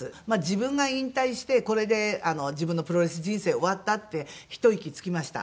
自分が引退してこれで自分のプロレス人生は終わったってひと息つきました。